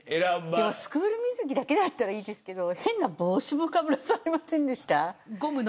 スクール水着だけだったらいいですけど変な帽子もかぶらされませんでした。